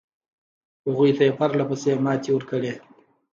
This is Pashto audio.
هغوی ته یې پرله پسې ماتې ورکړې.